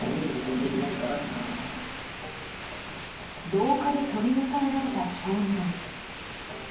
廊下で取り押さえられた少年。